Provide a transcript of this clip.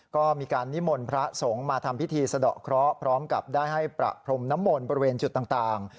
ก็มีการนิมนต์พระสงฆ์มาทำพิธีสะดอกเคราะห์พร้อมกับได้ให้ประพรมน้ำมนต์บริเวณจุดต่าง